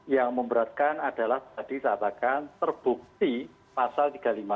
yang memberatkan adalah tadi saya katakan terbukti pasal tiga ratus lima puluh